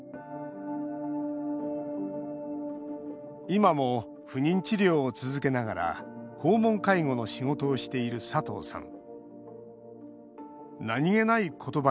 今も不妊治療を続けながら訪問介護の仕事をしている佐藤さん。